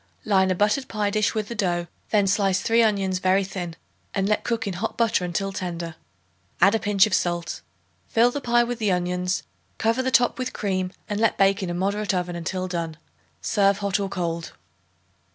Line a buttered pie dish with the dough; then slice three onions very thin and let cook in hot butter until tender; add a pinch of salt. Fill the pie with the onions, cover the top with cream and let bake in a moderate oven until done. Serve hot or cold.